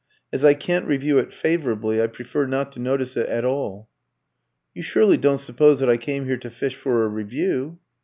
As I can't review it favourably, I prefer not to notice it at all." "You surely don't suppose that I came here to fish for a review?"